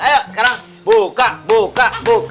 ayo sekarang buka buka buka